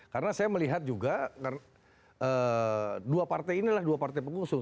karena saya melihat juga dua partai inilah dua partai pengungsung